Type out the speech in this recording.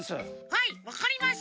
はいわかりました！